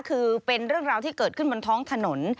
คือเป็นเรื่องราวที่เกิดขึ้นบนท้องถนน